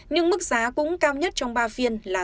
nhưng mức giá cũng cao nhất trong ba phiên là tám mươi bảy